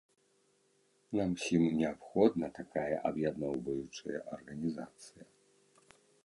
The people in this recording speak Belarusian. Нам усім неабходна такая аб'ядноўваючая арганізацыя.